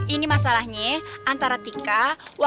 untuk memiliki tempat istimewa